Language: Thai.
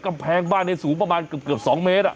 กำแพงบ้านเนี่ยสูงประมาณเกือบ๒เมตรอ่ะ